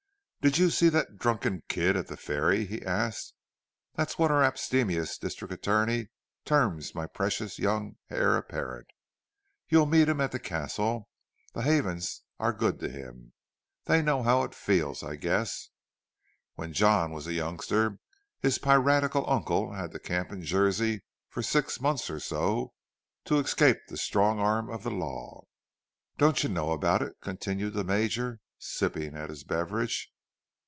"Did you see the 'drunken kid' at the ferry?" he asked. "(That's what our abstemious district attorney terms my precious young heir apparent.) You'll meet him at the Castle—the Havens are good to him. They know how it feels, I guess; when John was a youngster his piratical uncle had to camp in Jersey for six months or so, to escape the strong arm of the law." "Don't you know about it?" continued the Major, sipping at his beverage.